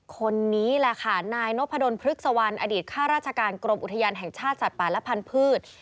คนนี้แหละค่ะนายนพดลพฤกษวรรณอดีตข้าราชการกรมอุทยานแห่งชาติสัตว์ป่าและพันธุ์